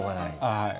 はい。